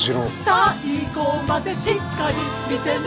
最後までしっかり見てね